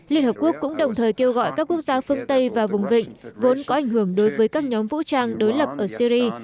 liên hợp quốc cũng đồng thời kêu gọi các quốc gia phương tây và vùng vịnh vốn có ảnh hưởng đối với các nhóm vũ trang đối lập ở syri